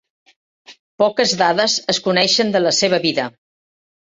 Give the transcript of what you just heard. Poques dades es coneixen de la seva vida.